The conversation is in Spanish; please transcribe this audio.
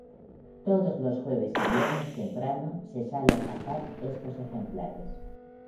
Todos los jueves y viernes temprano se sale a cazar estos ejemplares.